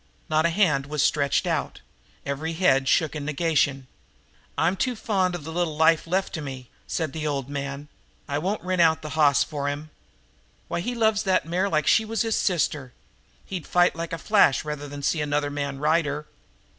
Not a hand was stretched out; every head shook in negation. "I'm too fond of the little life that's left to me," said the old fellow. "I won't rent out that hoss for him. Why, he loves that mare like she was his sister. He'd fight like a flash rather than see another man ride her."